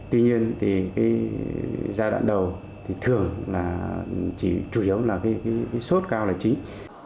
tuy nhiên thì cái giai đoạn đầu thì thường là chỉ chủ yếu là cái sốt cao là chính